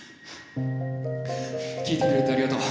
聴いてくれてありがとう。